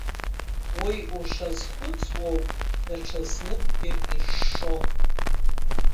Уи ушазхәыцуоуп даҽазныкгьы ишшо.